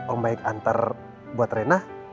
om baik antar buat rena